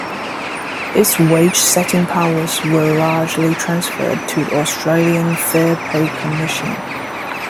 Its wage-setting powers were largely transferred to the Australian Fair Pay Commission.